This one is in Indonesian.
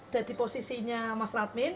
dari posisinya mas radmin